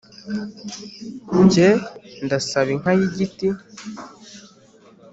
jye ndasaba inka y' igiti